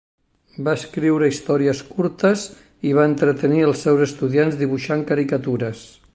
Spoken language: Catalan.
Va escriure històries curtes i va entretenir els seus estudiants dibuixant caricatures.